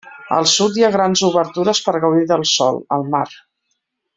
Al sud hi ha grans obertures per gaudir del sol, el mar.